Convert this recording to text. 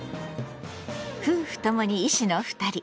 夫婦ともに医師の２人。